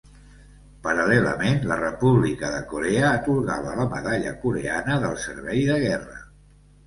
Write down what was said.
Paral·lelament, la República de Corea atorgava la Medalla Coreana del Servei de Guerra.